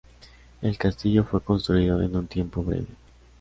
El castillo fue construido en un tiempo breve.